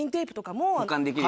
保管できる。